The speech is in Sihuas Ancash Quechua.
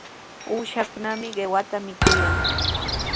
Uushakunami qiwata mikuykan.